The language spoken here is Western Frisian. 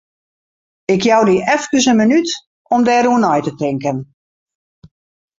Ik jou dy efkes in minút om dêroer nei te tinken.